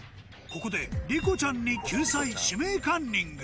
ここでりこちゃんに救済「指名カンニング」